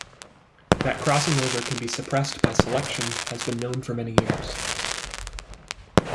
That crossing-over can be suppressed by selection has been known for many years.